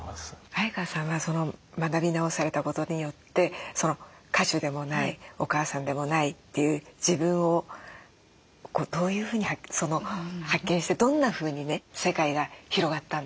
相川さんは学び直されたことによって歌手でもないお母さんでもないという自分をどういうふうに発見してどんなふうにね世界が広がったんですか？